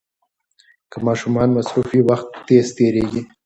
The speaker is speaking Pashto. که ماشومان مصروف وي، وخت تېز تېریږي.